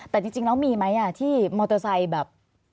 แต่จริงแล้วมีไหมที่มอเตอร์ไซค์แบบ